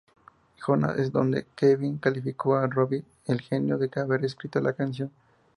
Jonas", en donde Kevin calificó a Robby de "genio" por haber escrito la canción.